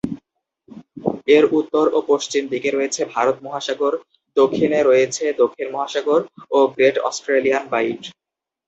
এর উত্তর ও পশ্চিম দিকে রয়েছে ভারত মহাসাগর; দক্ষিণে রয়েছে দক্ষিণ মহাসাগর ও "গ্রেট অস্ট্রেলিয়ান বাইট"।